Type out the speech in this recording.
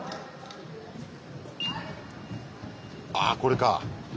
ああこれか！